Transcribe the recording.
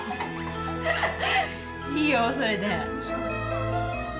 いいよそれで。